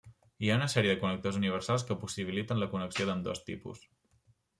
Hi ha una sèrie de connectors universals que possibiliten la connexió d'ambdós tipus.